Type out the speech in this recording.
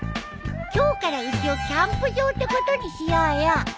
今日からうちをキャンプ場ってことにしようよ。